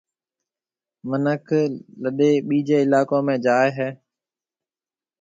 منک لڏَي ٻيجيَ علائقون ۾ جائيَ ھيََََ